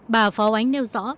bà phó oánh nêu rõ